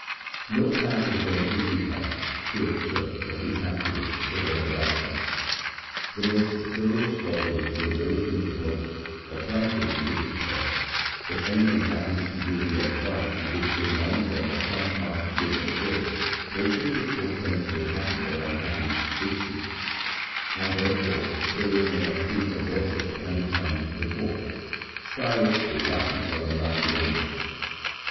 No plan is then too futile, too absurd, or too fatuous for their adoption ; the most frivo lous causes will raise them to hope, or plunge them into de spair — if anything happens during their fright which reminds them of some past good or ill, they think it por tends a happy or unhappy issue, and therefore (though it may have proved abortive a hundred times before) style it a lucky or unlucky omen.